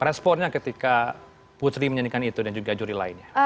responnya ketika putri menyanyikan itu dan juga juri lainnya